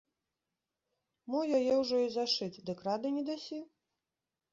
Мо яе ўжо і зашыць, дык рады не дасі?